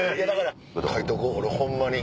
書いとこう俺ホンマに。